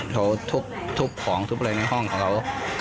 เขาทุบของทุบอะไรในห้องเขา